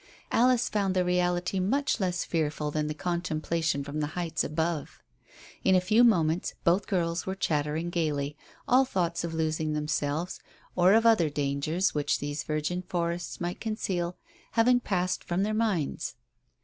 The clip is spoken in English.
Alice found the reality much less fearful than the contemplation from the heights above. In a few moments both girls were chattering gaily, all thoughts of losing themselves, or of other dangers which these virgin forests might conceal, having passed from their minds.